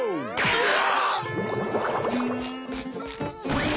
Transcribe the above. うわ！